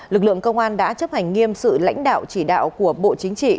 lực lượng công an đã chấp hành nghiêm sự lãnh đạo chỉ đạo của bộ chính trị